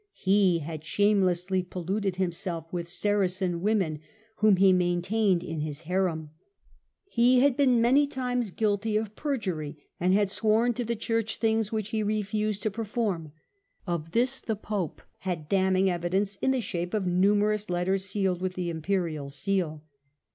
He had shamelessly polluted himself with Saracen women, whom he maintained in his harem. He had been many times guilty of perjury and had sworn to the Church things which he refused to perform. Of this the Pope had damning evidence in the shape of numerous letters sealed with the Imperial seal.